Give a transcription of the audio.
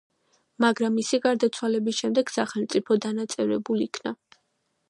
მაგრამ მისი გარდაცვალების შემდეგ, სახელმწიფო დანაწევრებულ იქნა.